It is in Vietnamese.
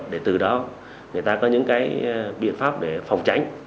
để từ đó người ta có những cái biện pháp để phòng tránh